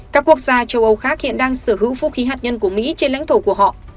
các quốc gia châu âu khác hiện đang sở hữu vũ khí hạt nhân của mỹ trên lãnh thổ của họ